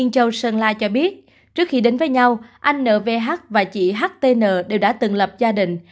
bằng lại cho biết trước khi đến với nhau anh n v h và chị h t n đều đã từng lập gia đình